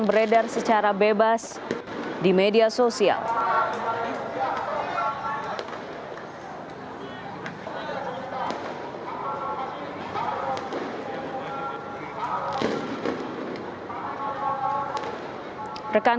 karena beberapa kali juga disampaikan